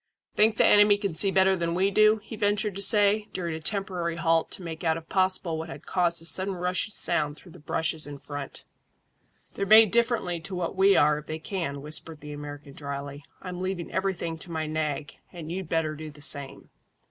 "Think the enemy can see better than we do?" he ventured to say, during a temporary halt to make out if possible what had caused a sudden rushing sound through the bushes in front. "They're made differently to what we are if they can," whispered the American dryly. "I'm leaving everything to my nag, and you'd better do the same."